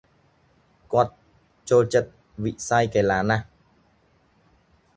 គាត់ ចូលចិត្ត វិស័យកីឡាណាស់ ។